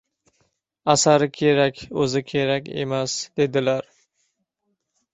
— Asari kerak, o‘zi kerak emas, — dedilar.